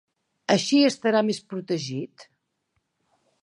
Així estarà més protegit.